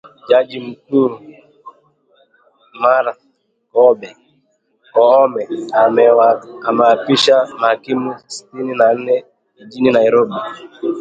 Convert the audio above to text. JAJI MKUU MARTHA KOOME AMEWAAPISHA MAHAKIMU SITINI NA NNE JIJINI NAIROBI